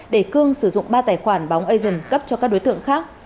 để cương sử dụng ba tài khoản bóng asian cấp cho các đối tượng khác